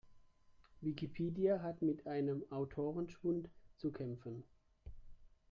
Wikipedia hat mit einem Autorenschwund zu kämpfen.